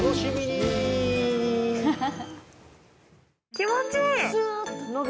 気持ちいい。